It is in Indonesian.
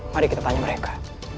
mari kita tanya mereka